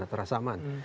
atau rasa aman